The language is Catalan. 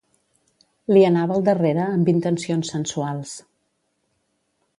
Li anava al darrere amb intencions sensuals.